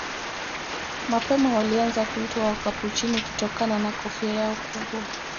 Mapema walianza kuitwa Wakapuchini kutokana na kofia yao kubwa.